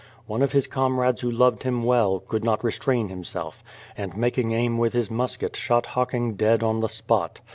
One of his comrades who loved him well, could not restrain himself, and making aim with his musket shot Hocking dead on the spot.